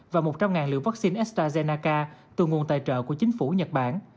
và một trăm linh liều vaccine estrazennaca từ nguồn tài trợ của chính phủ nhật bản